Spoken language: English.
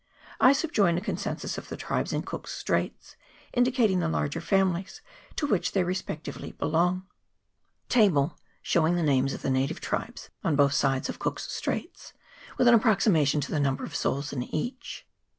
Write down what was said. I subjoin a census of the tribes in Cook's Straits, indicating the larger families to which they respect ively belong. CHAP. XI.] COOK S STRAITS. 195 TABLE showing the NAMES of the NATIVE TRIBES on both sides of COOK'S STRAITS, with an approximation to the Number of Souls in each.